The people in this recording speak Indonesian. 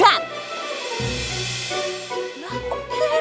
lah kok gila